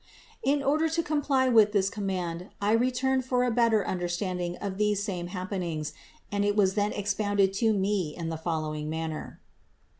In order to comply with this command I returned for a better under standing of these same happenings and it was then ex pounded to me in the following manner: 477.